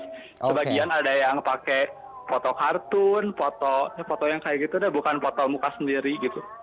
sebagian ada yang pakai foto kartun foto yang kayak gitu bukan foto muka sendiri gitu